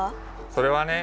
それはね